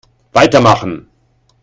Weitermachen!